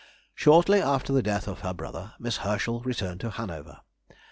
Shortly after the death of her brother, Miss Herschel returned to Hanover.